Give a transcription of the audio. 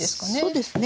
そうですね。